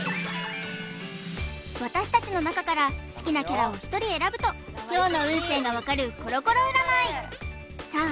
私たちの中から好きなキャラを１人選ぶと今日の運勢が分かるコロコロ占いさあ